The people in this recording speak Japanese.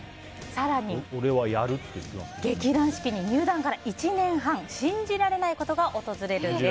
更に劇団四季に入団から１年半信じられないことが訪れるんです。